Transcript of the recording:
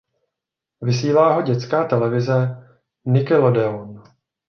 Vysílá ho dětská televize Nickelodeon.